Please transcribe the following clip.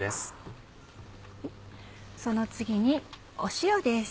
その次に塩です。